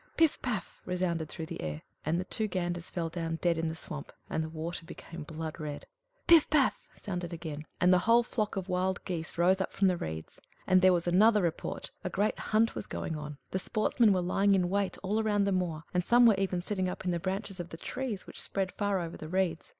"Piff! paff!" resounded through the air; and the two ganders fell down dead in the swamp, and the water became blood red. "Piff! paff!" it sounded again, and the whole flock of wild geese rose up from the reeds. And then there was another report. A great hunt was going on. The sportsmen were lying in wait all round the moor, and some were even sitting up in the branches of the trees, which spread far over the reeds.